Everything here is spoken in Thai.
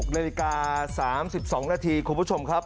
นาฬิกา๓๒นาทีคุณผู้ชมครับ